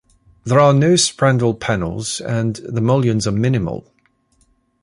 There are no spandrel panels, and the mullions are minimal.